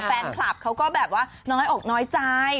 แฟนคลับเขาก็แบบว่าน้อยอกน้อยใจ